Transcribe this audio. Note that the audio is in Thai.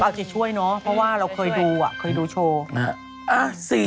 เอาใจช่วยเนอะเพราะว่าเราเคยดูเคยดูโชว์